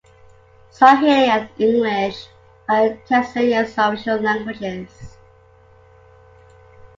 Swahili and English are Tanzania's official languages.